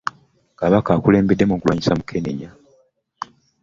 Kabaka akulembeddemu okulwanyisa Mukenenya